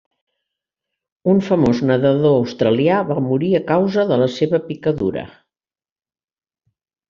Un famós nedador australià va morir a causa de la seva picadura.